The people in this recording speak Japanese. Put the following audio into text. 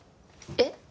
えっ？